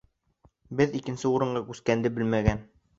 Беҙ икенсе урынға күскәнде белмәгән.